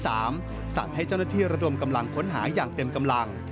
สั่งให้เจ้าหน้าที่ระดมกำลังค้นหาอย่างเต็มกำลัง